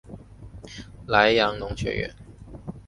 莱阳农学院。